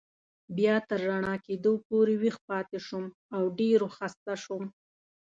بیا تر رڼا کېدو پورې ویښ پاتې شوم او ډېر و خسته شوم.